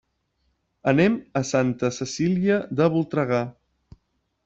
Anem a Santa Cecília de Voltregà.